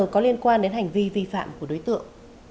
có liên quan đến hành vi vi phạm của đối tượng